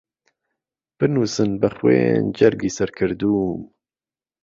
بنووسن بە خوێن جەرگی سەر کردووم